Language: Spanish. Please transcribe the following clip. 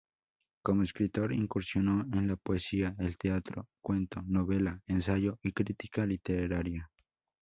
Como escritor incursionó en la poesía, el teatro, cuento, novela, ensayo y crítica literaria.